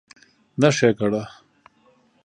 نه ښېګړه